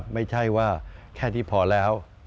ไม่ใช่ว่าแค่ที่พอแล้ว